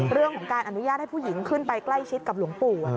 เรื่องของการอนุญาตให้ผู้หญิงขึ้นไปใกล้ชิดกับหลวงปู่